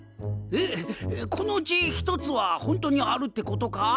えっこのうち１つはホントにあるってことか？